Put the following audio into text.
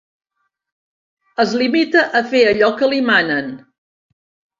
Es limita a fer allò que li manen.